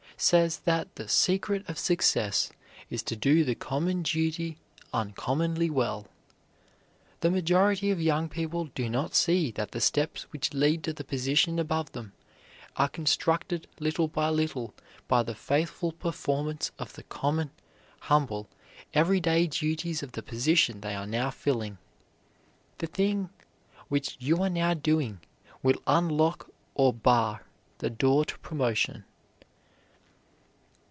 says that the "secret of success is to do the common duty uncommonly well." The majority of young people do not see that the steps which lead to the position above them are constructed, little by little, by the faithful performance of the common, humble, every day duties of the position they are now filling. The thing which you are now doing will unlock or bar the door to promotion.